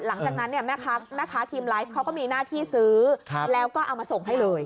หลังจากนั้นเนี่ยแม่ค้าทีมไลฟ์เขาก็มีหน้าที่ซื้อแล้วก็เอามาส่งให้เลย